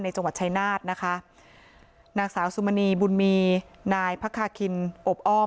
จังหวัดชายนาฏนะคะนางสาวสุมณีบุญมีนายพระคาคินอบอ้อม